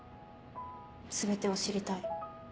全てを知りたい。